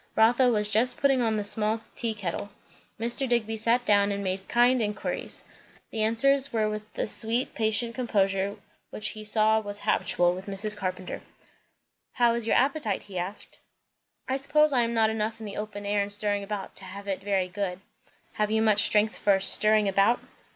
Rotha was just putting on the small tea kettle. Mr. Digby sat down and made kind inquiries. The answers were with the sweet patient composure which he saw was habitual with Mrs. Carpenter. "How is your appetite?" he asked. "I suppose I am not enough in the open air and stirring about, to have it very good." "Have you much strength for 'stirring about'?"